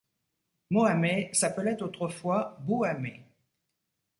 Mohamé s'appelait autrefois Bouamé.